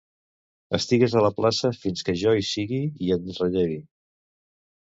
Estigues a la plaça fins que jo hi sigui i et rellevi.